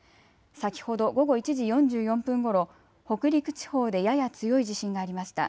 先ほど午後１時４４分ごろ、北陸地方でやや強い地震がありました。